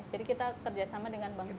jadi kita kerjasama dengan bank sampah